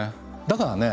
だからね